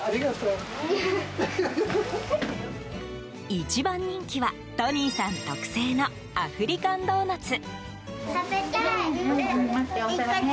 一番人気は、トニーさん特製のアフリカンドーナツ。